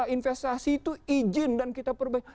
investasi itu izin dan kita perbaiki